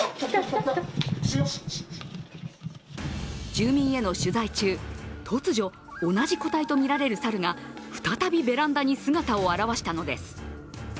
住民への取材中、突如、同じ個体とみられる猿が再びベランダに姿を現したのです。